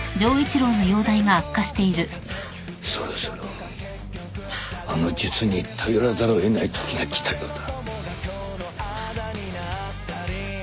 そろそろあの術に頼らざるを得ないときが来たようだ。